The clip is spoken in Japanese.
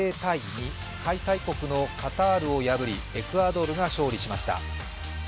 開催国のカタールを破りエクアドルが勝利しました。